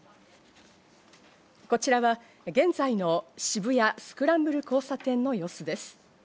こちらは現在の渋谷スクランブル交差点の様子です。